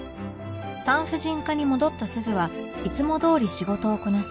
産婦人科に戻った鈴はいつもどおり仕事をこなす